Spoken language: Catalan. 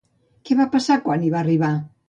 Què va passar quan hi van arribar?